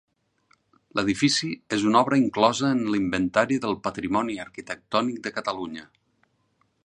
L'edifici és una obra inclosa en l'Inventari del Patrimoni Arquitectònic de Catalunya.